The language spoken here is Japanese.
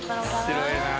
面白いな。